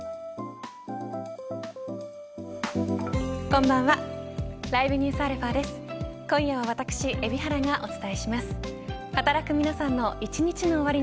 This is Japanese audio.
こんばんは。